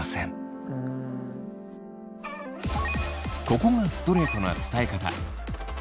ここがストレートな伝え方。